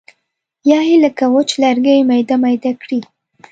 یا یې لکه وچ لرګی میده میده کړي.